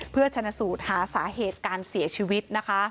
เพื่อชนะสูตรหาสาเหตุการเสียชีวิตนะคะ